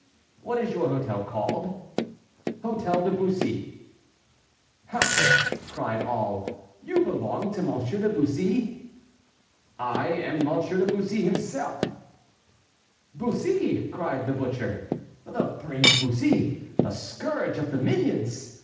"What is your hotel called?" "Hôtel de Bussy." "How!" cried all, "you belong to M. de Bussy?" "I am M. de Bussy himself." "Bussy," cried the butcher, "the brave Bussy, the scourge of the minions!"